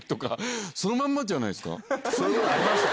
そういうことありました。